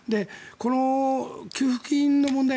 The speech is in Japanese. この給付金の問題